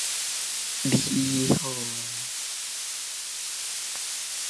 龜笑鱉無尾